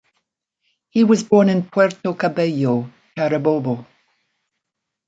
He was born in Puerto Cabello, Carabobo.